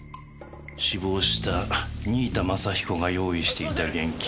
死亡した新井田政彦が用意していた現金は。